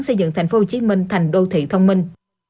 xây dựng thành phố hồ chí minh thành đô thị thông minh